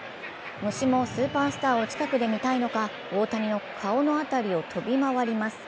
虫もスーパースターを近くで見たいのか、大谷の顔の辺りを飛び回ります。